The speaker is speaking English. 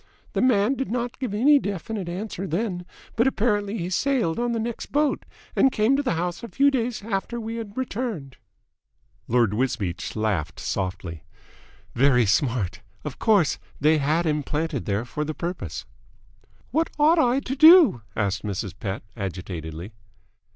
The man did not give any definite answer then, but apparently he sailed on the next boat, and came to the house a few days after we had returned." Lord Wisbeach laughed softly. "Very smart. Of course they had him planted there for the purpose." "What ought I to do?" asked Mrs. Pett agitatedly.